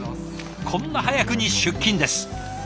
こんな早くに出勤です。